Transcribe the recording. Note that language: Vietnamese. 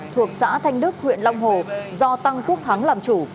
thuộc xã thanh đức huyện long hồ do tăng quốc thắng làm chủ